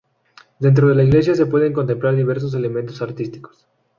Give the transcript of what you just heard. Dentro de la iglesia se pueden contemplar diversos elementos artísticos.